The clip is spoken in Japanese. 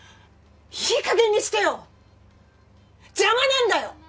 いい加減にしてよ邪魔なんだよ！